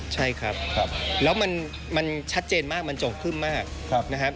ใช่ครับแล้วมันชัดเจนมากมันจงครึ่มมากนะครับ